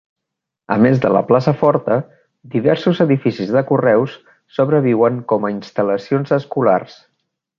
A més de la plaça forta, diversos edificis de correus sobreviuen com a instal·lacions escolars.